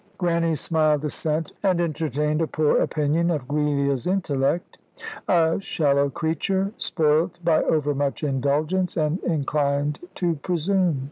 Grannie smiled assent, and entertained a poor opinion of Giulia's intellect. A shallow creature, spoilt by overmuch indulgence, and inclined to presume.